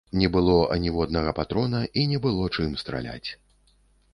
Не было аніводнага патрона і не было чым страляць.